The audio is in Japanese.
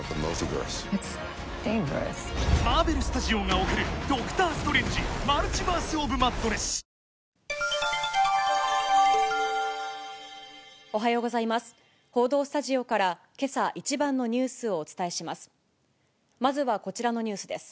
報道スタジオから、けさ一番のニュースをお伝えします。